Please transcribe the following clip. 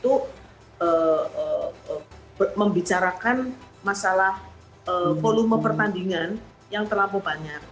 mungkin bidang prestasi ya bid press dan juga para artis itu membicarakan masalah volume pertandingan yang terlalu banyak